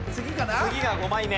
次が５枚目。